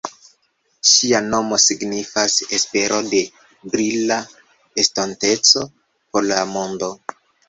Ŝia nomo signifas esperon de brila estonteco por la mondo.